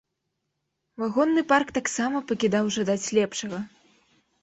Вагонны парк таксама пакідаў жадаць лепшага.